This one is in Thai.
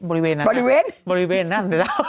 บริเวณนั้นเดี๋ยวเรา